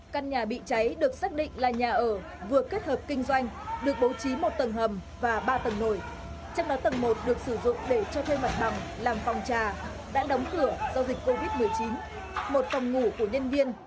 căn nhà bị cháy được xác định là nhà ở vừa kết hợp kinh doanh được bố trí một tầng hầm và ba tầng nồi